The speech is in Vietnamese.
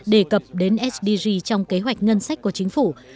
đề cập đến sdg trong kế hoạch ngân sách của chính phủ